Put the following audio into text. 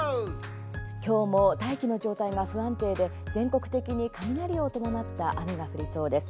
今日も大気の状態が不安定で、全国的に雷を伴った雨が降りそうです。